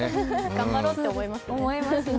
頑張ろうって思いますよね。